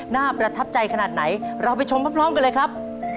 ประทับใจขนาดไหนเราไปชมพร้อมกันเลยครับ